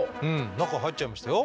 中入っちゃいましたよ。